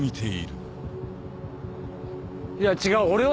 いや違う俺は！